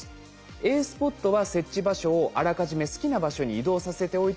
Ａスポットは設置場所をあらかじめ好きな場所に移動させておいてもＯＫ。